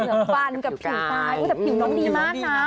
ฟันกับผิวซ้ายแต่ผิวน้องดีมากนะ